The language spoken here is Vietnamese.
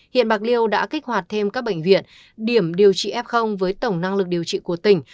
hiện bạc liêu đã kích hoạt thêm các bệnh viện điểm điều trị f với tổng năng lực điều trị của tỉnh